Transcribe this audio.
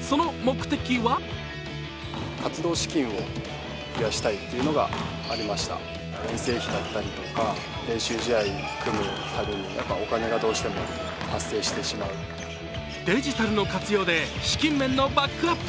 その目的はデジタルの活用で資金面のバックアップ。